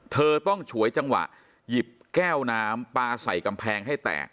เธอต้องฉวยจังหวะหยิบแก้วน้ำปลาใส่กำแพงให้แตก